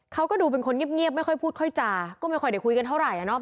เขาก็ดูเป็นคนเงียบไม่ค่อยพูดค่อยจาก็ไม่ค่อยได้คุยกันเท่าไหร่